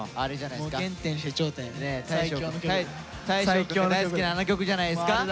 大昇の大好きなあの曲じゃないですか。